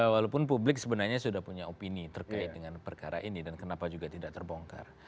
walaupun publik sebenarnya sudah punya opini terkait dengan perkara ini dan kenapa juga tidak terbongkar